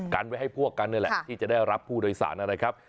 กันไว้ให้พวกกันนี่แหละที่จะได้รับผู้โดยสารนะครับ